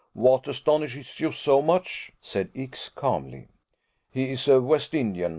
What astonishes you so much?" said X , calmly. "He is a West Indian.